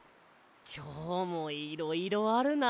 きょうもいろいろあるな。